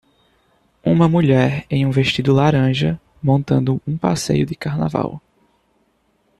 Uma mulher em um vestido laranja, montando um passeio de carnaval.